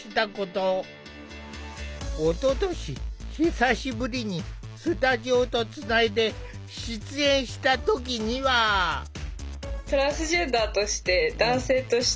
おととし久しぶりにスタジオとつないで出演した時には。えっ！？